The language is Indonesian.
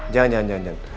jangan jangan jangan